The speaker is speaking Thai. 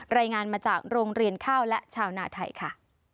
รายงานมาจากโรงเรียนข้าวและชาวนาไทยค่ะ